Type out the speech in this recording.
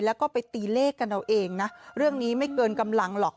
แล้วก็ไปตีเลขกันเอาเองนะเรื่องนี้ไม่เกินกำลังหรอก